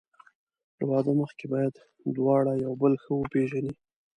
له واده مخکې باید دواړه یو بل ښه وپېژني.